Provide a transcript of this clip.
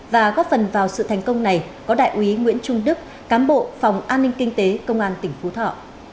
và góp phần vào sự thành công này có đại úy nguyễn trung đức cám bộ phòng an ninh kinh tế công an tỉnh phú thọ